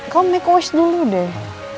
kamu make a wish dulu deh